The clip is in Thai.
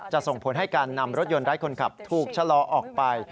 ส่งผลให้การนำรถยนต์ไร้คนขับถูกชะลอออกไป